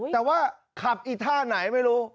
แต่ว่าขับอีท่าไหนไม่รู้